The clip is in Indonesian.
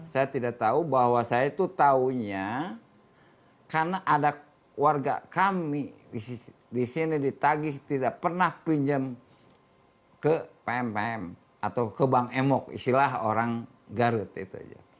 saya tidak tahu bahwa saya itu tahunya karena ada warga kami di sini ditagih tidak pernah pinjam ke pmm atau ke bank emok istilah orang garut itu